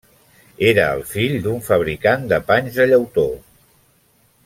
Era el fill d'un fabricant de panys de llautó.